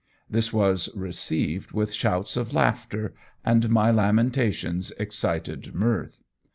This was received with shouts of laughter, and my lamentations excited mirth.